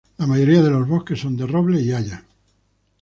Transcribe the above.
La mayoría de los bosques son de robles y hayas.